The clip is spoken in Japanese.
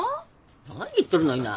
何言っとるのいな。